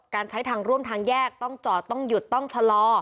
การใช้ทางร่วมทางแยกต้องจอดต้องหยุดต้องชะลอ